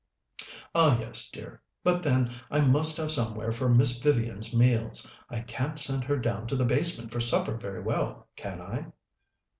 "Ah, yes, dear; but, then, I must have somewhere for Miss Vivian's meals. I can't send her down to the basement for supper very well, can I?"